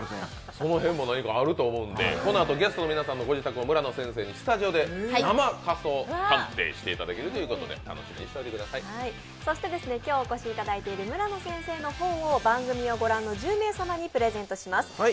その辺も何かあると思うので、このあと、ゲストの皆さんのお部屋を村野先生にスタジオで生家相鑑定していただけるということでそして今日お越していただいている村野先生の本を番組をご覧の１０名の皆様にプレゼントいたします。